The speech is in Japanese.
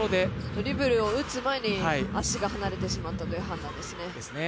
ドリブルを打つ前に足が離れてしまったという判断ですね。